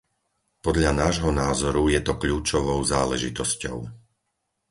Podľa nášho názoru je to kľúčovou záležitosťou.